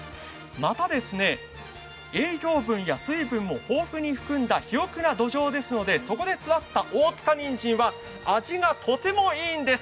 また、栄養分や水分も豊富に含んだ肥沃な土壌なのでそこで育った大塚にんじんは味がとてもいいんです。